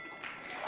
baik terima kasih